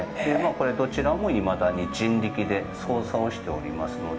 これ、どちらもいまだに人力で操作をしておりますので。